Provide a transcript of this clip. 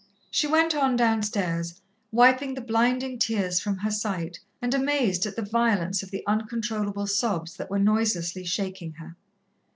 She went on downstairs, wiping the blinding tears from her sight, and amazed at the violence of the uncontrollable sobs that were noiselessly shaking her.